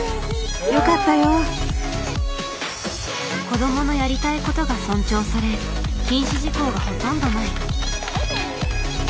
「子どものやりたいこと」が尊重され禁止事項がほとんどない。